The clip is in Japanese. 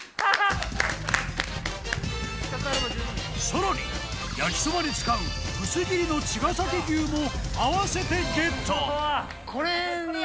さらに焼きそばに使う薄切りのちがさき牛も合わせてゲット！